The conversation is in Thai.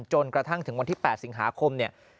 จนกระทั่งถึงวันที่๘สิงหาคมเนี่ย